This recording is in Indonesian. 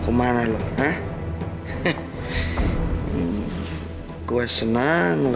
kayaknya cuma mimpi doang deh